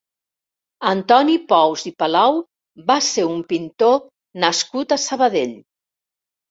Antoni Pous i Palau va ser un pintor nascut a Sabadell.